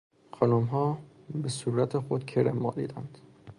خانمها به صورت خود کرم مالیدند.